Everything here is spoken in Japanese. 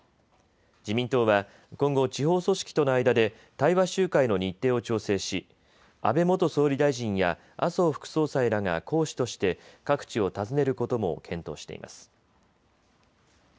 自民党は今後、地方組織との間で対話集会の日程を調整し安倍元総理大臣や麻生副総裁らが講師として各地を訪ねることも検討しています。